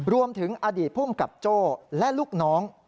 รวมถึงอดีตภูมิกับโจ้และลูกน้อง